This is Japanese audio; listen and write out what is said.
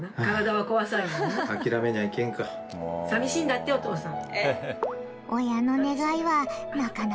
寂しいんだってお父さん。